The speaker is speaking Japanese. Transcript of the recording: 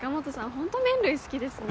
ホント麺類好きですね。